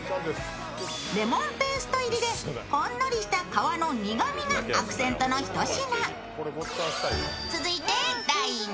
レモンペースト入りでほんのりした皮の苦みがアクセントのひと品。